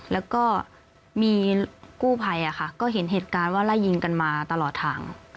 แล้วก็มีกู้ภัยก็เห็นเหตุการณ์ว่าไล่ยิงกันมาตลอดทาง